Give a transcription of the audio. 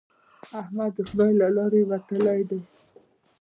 احمد د خدای له لارې وتلی دی.